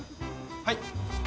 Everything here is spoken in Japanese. はい。